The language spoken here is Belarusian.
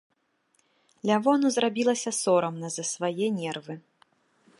Лявону зрабілася сорамна за свае нервы.